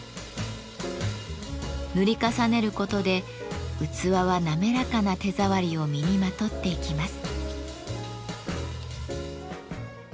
塗り重ねることで器は滑らかな手触りを身にまとっていきます。